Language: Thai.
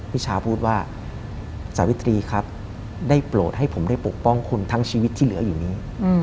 วิชาพูดว่าสาวิตรีครับได้โปรดให้ผมได้ปกป้องคุณทั้งชีวิตที่เหลืออยู่นี้